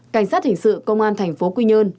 cảnh sát hình sự công an thành phố quy nhơn